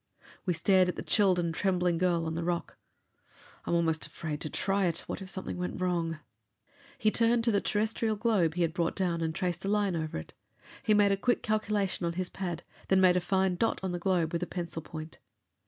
We stared at the chilled and trembling girl on the rock. "I'm almost afraid to try it. What if something went wrong?" He turned to the terrestrial globe he had brought down and traced a line over it. He made a quick calculation on his pad, then made a fine dot on the globe with the pencil point.